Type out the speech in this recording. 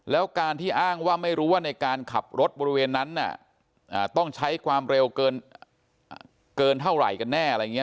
แล้วการที่อ้างว่าไม่รู้ว่าในการขับรถบริเวณนั้นต้องใช้ความเร็วเกินเท่าไหร่กันแน่อะไรอย่างนี้